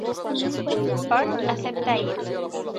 Bart acepta ir.